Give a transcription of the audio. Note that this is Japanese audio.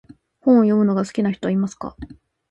本を読むのが好きな人はいますか？